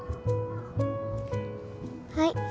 はい